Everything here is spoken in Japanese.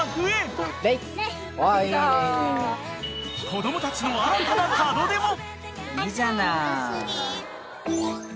［子供たちの新たな門出も］